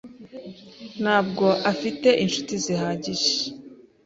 ntabwo afite inshuti zihagije.